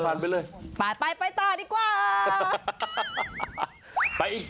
ไปต่อดีกว่า